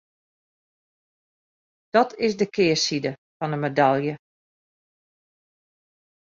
Dat is de kearside fan de medalje.